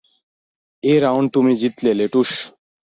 এই রাউন্ড তুমি জিতলে, লেটুস।